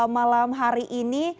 malam hari ini